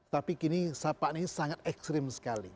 tapi kini sapaan ini sangat ekstrim sekali